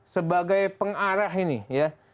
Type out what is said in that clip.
sebagai pengarah ini ya